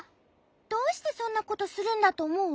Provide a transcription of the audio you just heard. どうしてそんなことするんだとおもう？